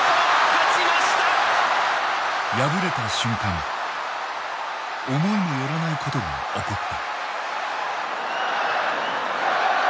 敗れた瞬間思いも寄らないことが起こった。